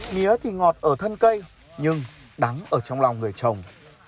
mía thì ngọt ở thân cây nhưng đắng ở trong lòng người trồng